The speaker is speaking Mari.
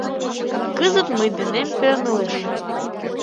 Кызыт мый денем пернылеш...